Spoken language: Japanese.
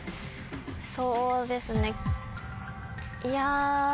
そうですねいや。